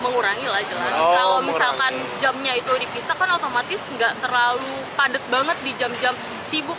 mengurangi lah jelas kalau misalkan jamnya itu dipisahkan otomatis nggak terlalu padat banget di jam jam sibuk